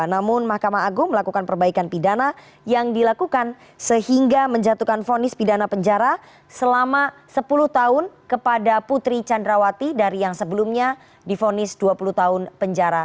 namun mahkamah agung melakukan perbaikan pidana yang dilakukan sehingga menjatuhkan fonis pidana penjara selama sepuluh tahun kepada putri candrawati dari yang sebelumnya difonis dua puluh tahun penjara